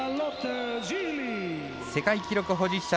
世界記録保持者